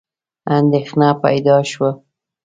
اندېښنه پیدا شوه.